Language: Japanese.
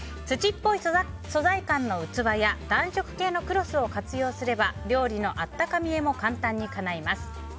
土っぽい素材感の器や暖色系のクロスを活用すれば料理のあったか見えも簡単にかないます。